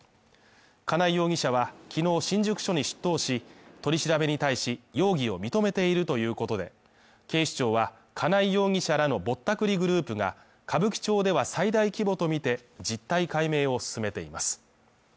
金井容疑者は、きのう新宿署に出頭し、取り調べに対し容疑を認めているということで警視庁は金井容疑者らのぼったくりグループが歌舞伎町では最大規模とみて実態解明を進めています。